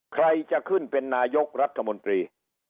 ใครจะขึ้นเป็นนายกรัฐมนตรี